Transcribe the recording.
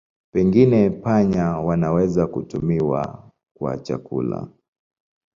Pengine panya wanaweza kutumiwa kwa chakula.